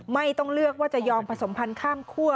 ไม่ต้องเลือกว่าจะยอมผสมพันธ์ข้ามคั่ว